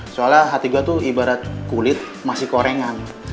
soalnya hati gue tuh ibarat kulit masih korengan